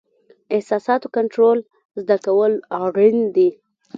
احساساتو کنټرول زده کول اړین دي.